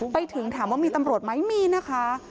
ไปถึงถามว่ามีตำรวจไหมมีนะคะ